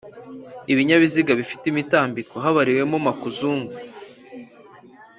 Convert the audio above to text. ibinyabiziga bifite imitambiko habariwemo makuzugu T